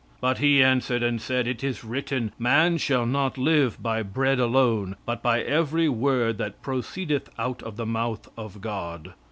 "But he answered and said, It is written, Man shall not live by bread alone, but by every word that proceedeth out of the mouth of God.